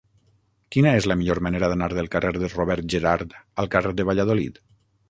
Quina és la millor manera d'anar del carrer de Robert Gerhard al carrer de Valladolid?